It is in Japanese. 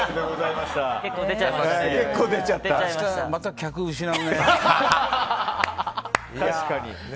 また客を失うね。